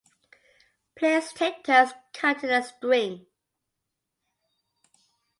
Players take turns cutting a string.